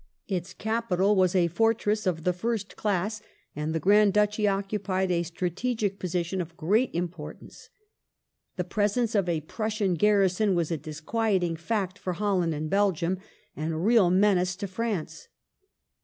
Its capital was a fortress of the first class, and the Grand Duchy occupied a strategic position of great importance. The presence of a Prussian garrison was a disquieting fact for Holland and Belgium, and a real menace to France.